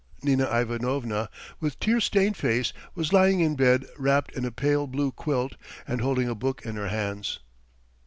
Nina Ivanovna, with tear stained face, was lying in bed wrapped in a pale blue quilt and holding a book in her hands.